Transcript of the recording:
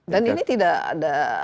dan ini tidak ada